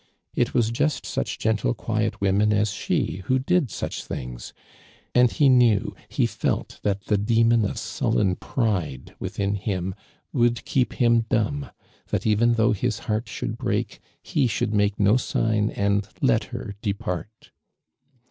It was just such gentle (juiet women as she who did such things. And he knew, he felt that the demon of sullen pride within him would keep him dumb, that even though his lieart should break he should make no sign and let her depart.